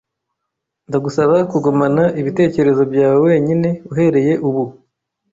Ndagusaba kugumana ibitekerezo byawe wenyine uhereye ubu.